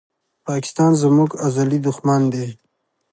پاکستان زموږ ازلي دښمن دی